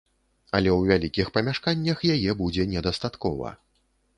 Але ў вялікіх памяшканнях яе будзе недастаткова.